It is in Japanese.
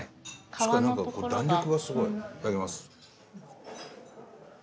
確かに何か弾力がすごい。いただきます。